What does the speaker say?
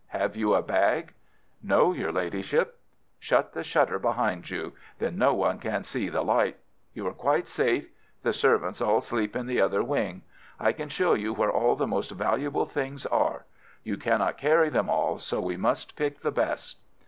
Have you a bag?" "No, your Ladyship." "Shut the shutter behind you. Then no one can see the light. You are quite safe. The servants all sleep in the other wing. I can show you where all the most valuable things are. You cannot carry them all, so we must pick the best."